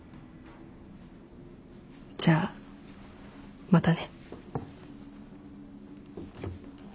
じゃあまたね。